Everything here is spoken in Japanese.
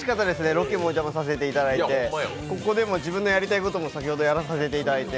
ロケにもお邪魔させていただいてここでも自分のやりたいことも先ほどやらせていただいて。